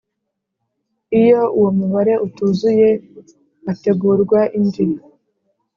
Iyo uwo mubare utuzuye hategurwa indi